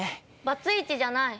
バツイチじゃない。